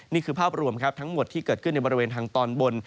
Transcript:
นี่คือภาพรวมครับทั้งหมดที่เกิดขึ้นในบริเวณทางตอนบน